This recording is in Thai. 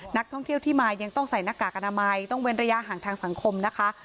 นักท่องเที่ยวที่มายังต้องใส่หน้ากากอนามัยต้องเว้นระยะห่างทางสังคมนะคะ